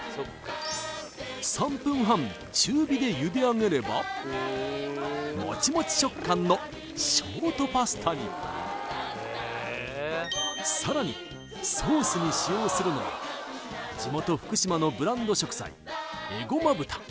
３分半中火でゆであげればモチモチ食感のショートパスタにさらにソースに使用するのは地元福島のブランド食材エゴマ豚